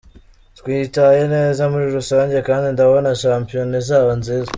Twitwaye neza muri rusange kandi ndabona Shampiona izaba nziza.